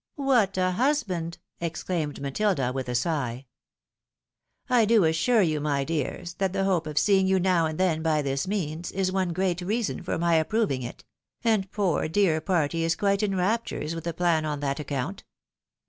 " What a husband !" exclaimed Matilda, with a sigh. . PARTICULAR QUERIES. 221 " I do assure you, my dears, that the hope of seeing you no w and then by this means, is one great reason for my approving it ; and poor, dear Patty is quite in raptures with the plan on that account."